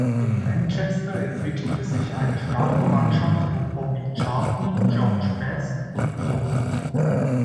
In Manchester entwickelte sich eine starke Mannschaft um Bobby Charlton, George Best und Law.